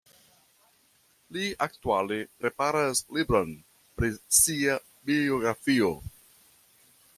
Li aktuale preparas libron pri sia biografio.